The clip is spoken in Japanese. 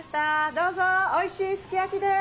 どうぞおいしいすき焼きです。